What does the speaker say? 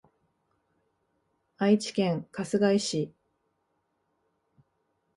愛知県春日井市